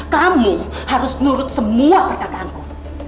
kami harus nurut semua perkataanku